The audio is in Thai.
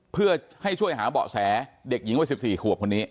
เพื่อให้ช่วยหาเบาะแสเด็กหญิงวัย๑๔ขวบคนนี้